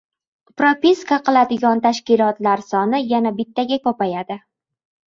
Propiska qiladigan tashkilotlar soni yana bittaga ko‘payadi